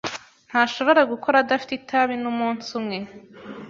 Ntashobora gukora adafite itabi numunsi umwe.